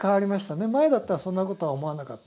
前だったらそんなことは思わなかったでしょう。